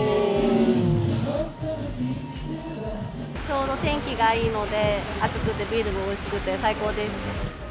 ちょうど天気がいいので、暑くてビールもおいしくて最高です。